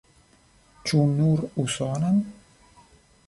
Ĉu nur usonan?